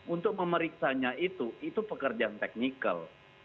untuk memeriksanya itu itu pekerjaan teknikal